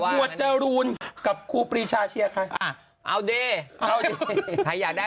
อับบวชรูนทร์กับคู่ปลีชาเชียร์ใครอ่ะเอาดีเอาดีใครอยากได้